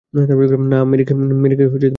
না, মেরিকে বলেছিলাম।